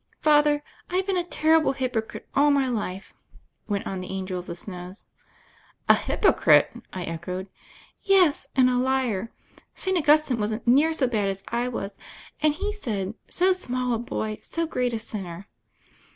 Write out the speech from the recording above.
"Father, I've been a terrible hypocrite all my life," went on the Angel of the Snows. "A hypocrite 1" I echoed. "Yes; and a liar. St. Augustine wasn't near so bad as I was: and he said, *So small a boy, so great a sinner.'